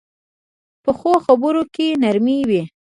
پخو خبرو کې نرمي وي